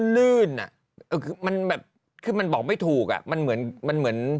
ลื่นอ่ะเออคือมันแบบคือมันบอกไม่ถูกอ่ะมันเหมือนมันเหมือน